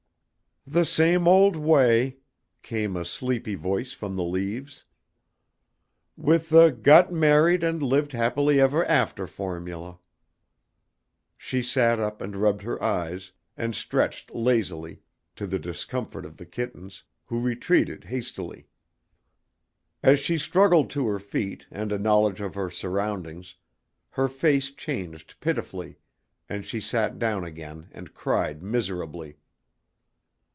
"The same old way," came a sleepy voice from the leaves, "with the 'got married and lived happily ever after' formula." She sat up and rubbed her eyes, and stretched lazily, to the discomfort of the kittens, who retreated hastily. As she struggled to her feet and a knowledge of her surroundings, her face changed pitifully, and she sat down again and cried miserably.